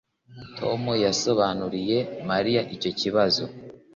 Tom yasobanuriye Mariya icyo kibazo